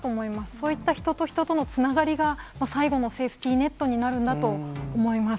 そういった人と人とのつながりが、最後のセーフティーネットになるんだと思います。